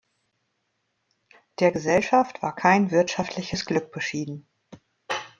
Der Gesellschaft war kein wirtschaftliches Glück beschieden.